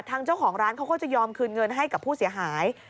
ทางเจ้าของร้านเขาก็จะยอมคืนเงินให้กับผู้เสียหาย